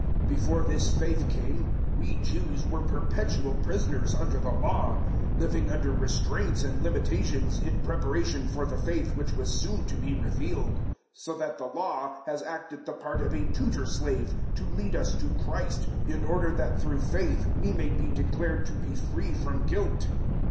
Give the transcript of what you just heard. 003:023 Before this faith came, we Jews were perpetual prisoners under the Law, living under restraints and limitations in preparation for the faith which was soon to be revealed. 003:024 So that the Law has acted the part of a tutor slave to lead us to Christ, in order that through faith we may be declared to be free from guilt.